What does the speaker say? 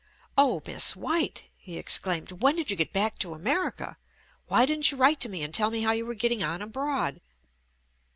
"Oh, Miss White," he exclaimed, "when did you get back to America? Why didn't you write to me and tell me how you were getting on abroad?"